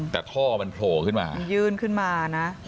แต่ท่อมันโผล่ขึ้นมามันยื่นขึ้นมานะ